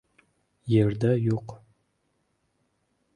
Yer-da yo‘q.